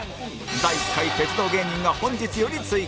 第１回鉄道芸人が本日より追加